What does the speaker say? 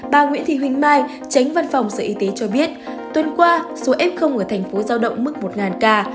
bà nguyễn thị huỳnh mai tránh văn phòng sở y tế cho biết tuần qua số f ở tp hcm mức một ca